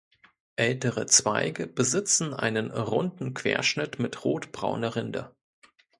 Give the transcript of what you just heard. Ältere Zweige besitzen einen runden Querschnitt mit rot-brauner Rinde.